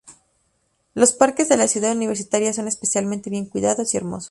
Los parques de la Ciudad Universitaria son especialmente bien cuidados y hermosos.